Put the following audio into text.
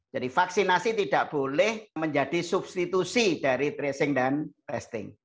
jadi vaksinasi tidak boleh menjadi substitusi dari tracing dan testing